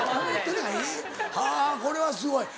はぁこれはすごい。